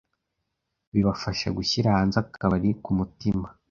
bibafasha gushyira hanze akabari ku mutima